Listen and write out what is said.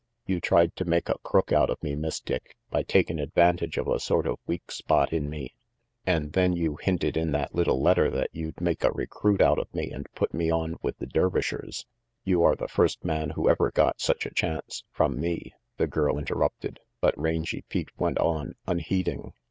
You tried to make a crook out of me, Miss Dick, by takin' advantage of a sort of weak spot in me, an' then you hinted in that little letter that you'd make a recruit out of me and put me on with the Der vishers "You are the first man who ever got such a chance, from me," the girl interrupted, but Rangy Pete went on, unheeding.